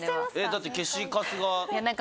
だって消しカスが。